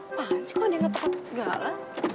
apaan sih kok ada yang ngetuk ngetuk segala